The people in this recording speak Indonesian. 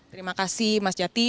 terima kasih mas jati